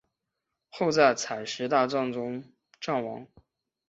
后在采石大战中战亡。